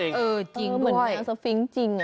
เป็นหนูสฟิงจริง